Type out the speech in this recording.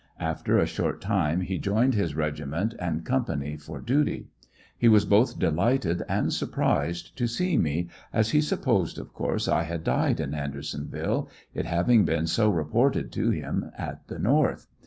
After a short time he joined his regiment and company for duty. He was both delighted and surprised to see me, as he supposed of course I had died in Andersonville, it having been so reported to him at the North.